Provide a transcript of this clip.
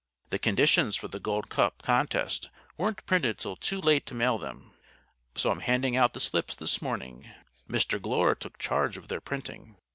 The conditions for the Gold Cup contest weren't printed till too late to mail them. So I'm handing out the slips this morning. Mr. Glure took charge of their printing.